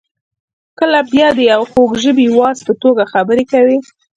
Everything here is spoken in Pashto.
کله بیا د یوې خوږ ژبې واعظ په توګه خبرې کوي.